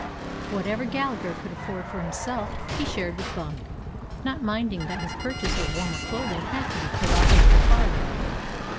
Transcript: Whatever Gallagher could afford for himself he shared with Bum, not minding that his purchase of warmer clothing had to be put off a little farther.